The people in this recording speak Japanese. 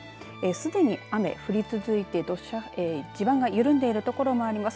すでに雨、降り続いて地盤が緩んでいるところもあります。